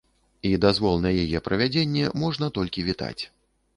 І дазвол на яе правядзенне можна толькі вітаць.